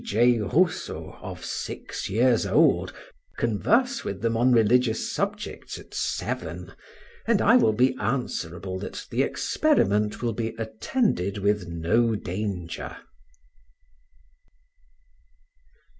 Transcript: J. Rousseau of six years old, converse with them on religious subjects at seven, and I will be answerable that the experiment will be attended with no danger.